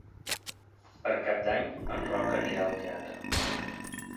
Per Cap d'Any en Roc anirà al teatre.